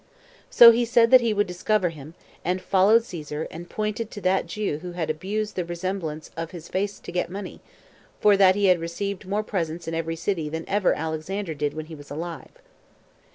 So he said that he would discover him, and followed Caesar, and pointed to that Jew who abused the resemblance of his face to get money; for that he had received more presents in every city than ever Alexander did when he was alive.